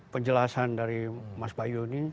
penjelasan dari mas bayu ini